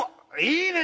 いいね！